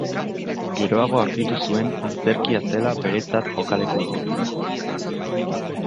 Geroago aurkitu zuen antzerkia zela beretzat jokaleku egokiena.